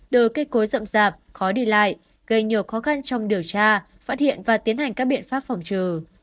đồ cây cối rậm rạp khó đi lại gây nhiều khó khăn trong điều tra phát hiện và tiến hành các biện pháp phòng trừ